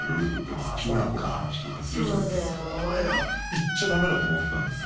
言っちゃダメだと思ってたんですよ